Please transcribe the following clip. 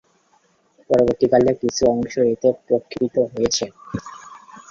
পরবর্তীকালে কিছু অংশ এতে প্রক্ষিপ্ত হয়েছে।